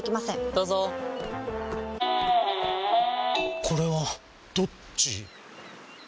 どうぞこれはどっち？